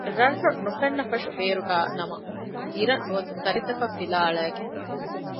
ރަށްރަށް ނުފެންނަފަށު ބޭރުގައި ނަމަ އިރަށް ނުވަތަ ތަރިތަކަށް ފިލާ އަޅައިގެން